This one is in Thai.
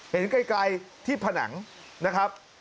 เห็นไกลที่ผนังนะครับ